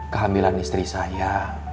kehamilan istri saya